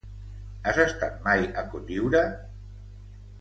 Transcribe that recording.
Has estat mai a Cotlliure?